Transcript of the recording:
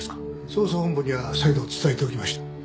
捜査本部には再度伝えておきました。